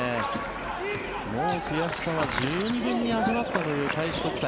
もう悔しさは十二分に味わったという開志国際。